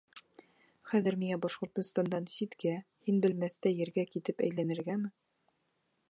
Хәҙер миңә Башҡортостандан ситкә, һин белмәҫтәй ергә китеп әйләнергәме?